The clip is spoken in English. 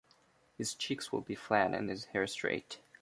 His cheeks will be flat and his hair straight.